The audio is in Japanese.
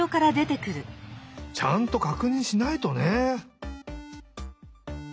ちゃんとかくにんしないとね。